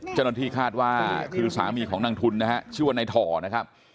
เจ้าหน้าที่คาดว่าคือสามีของนางทุนนะฮะชื่อว่านายถ่อนะครับ